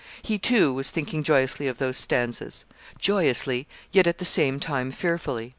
He, too, was thinking joyously of those stanzas joyously, yet at the same time fearfully.